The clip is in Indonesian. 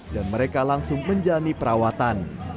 dan mereka langsung menjalani perawatan